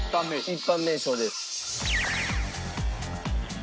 一般名称です。